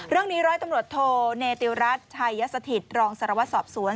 เรื่องนี้ร้อยตำรวจโทรในติวรัฐไทยยสถิตรองสารวัสสอบสวน